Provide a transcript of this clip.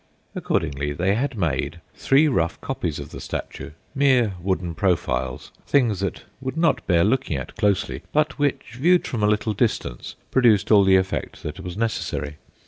Accordingly, they had made three rough copies of the statue mere wooden profiles, things that would not bear looking at closely, but which, viewed from a little distance, produced all the effect that was necessary.